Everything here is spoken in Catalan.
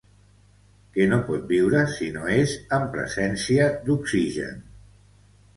Que no pot viure si no és en presència d'oxigen.